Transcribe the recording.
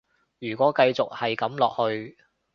如果繼續係噉落去